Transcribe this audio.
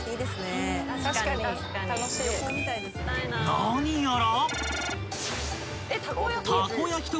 ［何やら］